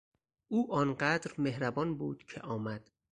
او آنقدر مهربان بود که آمد.